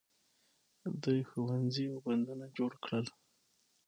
دوی مکتبونه او بندونه جوړ کړل.